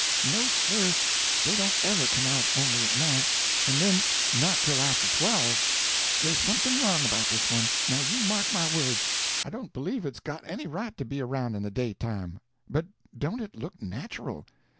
"No, sir, they don't ever come out only at night—and then not till after twelve. There's something wrong about this one, now you mark my words. I don't believe it's got any right to be around in the daytime. But don't it look natural!